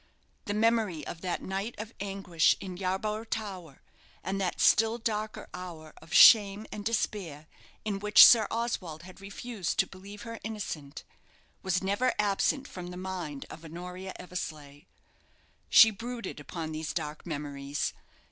The memory of that night of anguish in Yarborough Tower, and that still darker hour of shame and despair in which Sit Oswald had refused to believe her innocent, was never absent from the mind of Honoria Eversleigh. She brooded upon these dark memories.